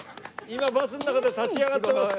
今バスの中で立ち上がってます。